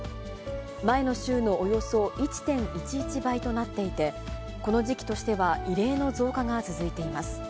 前の週のおよそ１．１１倍となっていて、この時期としては異例の増加が続いています。